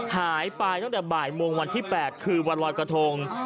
หายไปตั้งแต่บ่ายโมงวันที่๘คือวันรอยกระทง